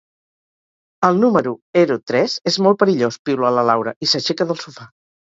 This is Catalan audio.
El número ero tres és molt perillós —piula la Laura, i s'aixeca del sofà.